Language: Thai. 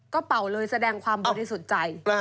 ก็เป่าเลยแสดงความบริสุทธิ์ใจ